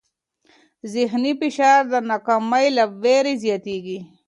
ذهني فشار د ناکامۍ له وېرې زیاتېږي.